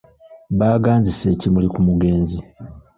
Baaganzise ekimuli ku mugenzi.